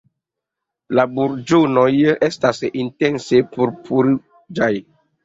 La burĝonoj estas intense purpur-ruĝaj.